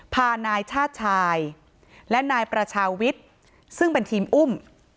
พานายชาติชายและนายประชาวิทย์ซึ่งเป็นทีมอุ้ม